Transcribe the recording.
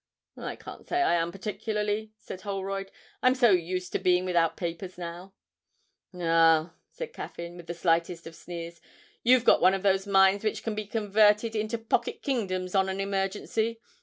'I can't say I am particularly,' said Holroyd; 'I'm so used to being without papers now.' 'Ah,' said Caffyn, with the slightest of sneers, 'you've got one of those minds which can be converted into pocket kingdoms on an emergency.